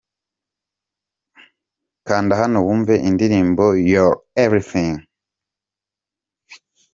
Kanda hano wumve indirimbo Your Everything.